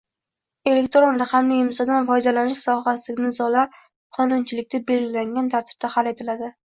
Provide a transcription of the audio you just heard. Elektron raqamli imzodan foydalanish sohasidagi nizolar qonunchilikda belgilangan tartibda hal etiladi.